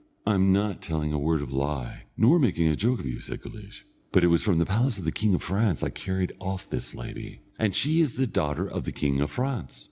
"I'm not telling a word of lie, nor making a joke of you," said Guleesh; "but it was from the palace of the king of France I carried off this lady, and she is the daughter of the king of France."